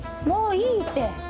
もういいて。